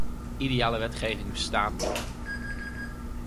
Ideale wetgeving bestaat niet.